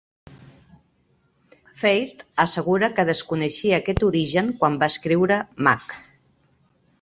Feist assegura que desconeixia aquest origen quan va escriure "Mag".